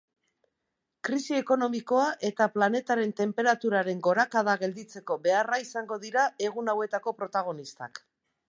Krisi ekonomikoa eta planetaren tenperaturaren gorakada gelditzeko beharra izango dira egun hauetako protagonistak.